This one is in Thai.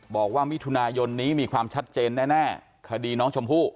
บอกว่ามิถุนายนนี้มีความชัดเจนแน่คดีน้องชมพู่